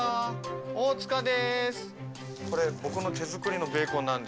大塚です。